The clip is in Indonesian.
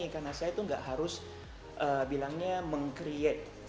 karena saya itu tidak harus bilangnya meng create